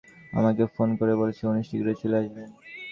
আমাকে ফোন করে বলেছে উনি শীঘ্রই চলে আসবেন।